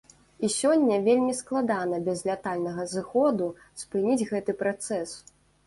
І сёння вельмі складана без лятальнага зыходу спыніць гэты працэс.